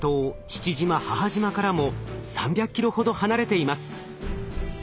父島母島からも３００ｋｍほど離れています。